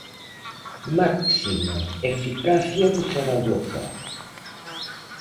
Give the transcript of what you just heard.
Máxima eficacia do Zaragoza.